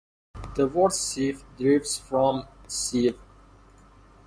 The word "sift" derives from "sieve".